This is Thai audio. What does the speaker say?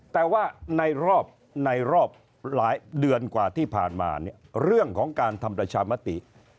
แต่ว่าในรอบในรอบหลายเดือนกว่าที่ผ่านมาเนี่ยเรื่องของการทำประชามติ